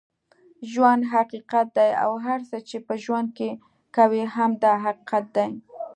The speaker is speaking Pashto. ژوند حقیقت دی اوهر څه چې په ژوند کې کوې هم دا حقیقت دی